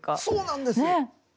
そうなんですよ！ね！